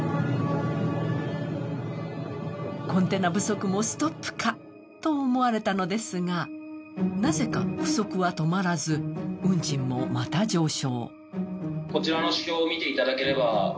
コンテナ不足もストップかと思われたのですが、なぜか不足は止まらず、運賃もまた上昇。